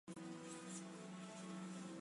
境内最大的高原为伊朗高原。